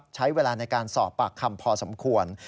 ใช้เวลาในการสอบปากคำพอสมควร